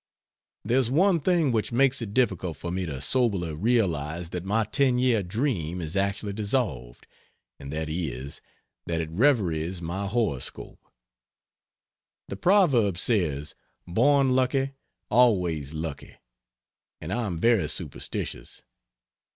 There's one thing which makes it difficult for me to soberly realize that my ten year dream is actually dissolved; and that is, that it reveries my horoscope. The proverb says, "Born lucky, always lucky," and I am very superstitious.